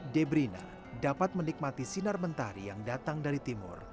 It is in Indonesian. debrina dapat menikmati sinar mentari yang datang dari timur